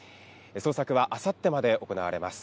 捜索はあさってまで行われます。